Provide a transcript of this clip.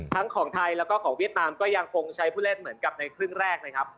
ของไทยแล้วก็ของเวียดนามก็ยังคงใช้ผู้เล่นเหมือนกับในครึ่งแรกนะครับ